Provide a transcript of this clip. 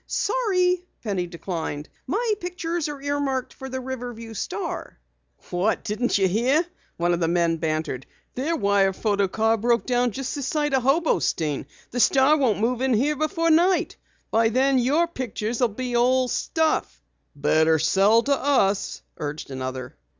"Sorry," Penny declined. "My pictures are earmarked for the Riverview Star." "What? Didn't you hear?" one of the men bantered. "Their wire photo car broke down just this side of Hobostein. The Star won't move in here before night. By then your pictures will be old stuff." "Better sell to us," urged another.